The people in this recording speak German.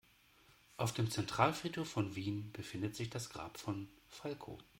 Auf dem Zentralfriedhof von Wien befindet sich das Grab von Falco.